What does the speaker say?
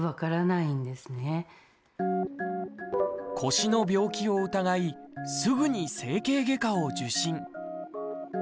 腰の病気を疑いすぐに整形外科を受診。